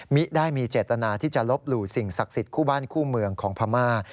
มิได้มีเจตนาที่จะลบหลู่สิ่งศักดิ์สิทธิ์คู่บ้านคู่เมืองของพม่า